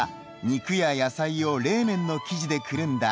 肉や野菜を冷麺の生地でくるんだ